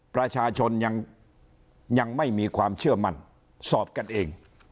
ประชาชนยังไม่มีความเชื่อมั่นสอบกันเอง